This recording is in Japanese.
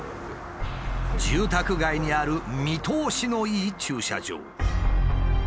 住宅街にある見通しのいい駐車場。